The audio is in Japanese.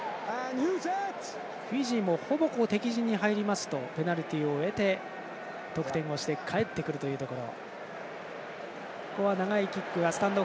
フィジーもほぼ敵陣に入りますとペナルティを得て、得点をして帰ってくるというところ。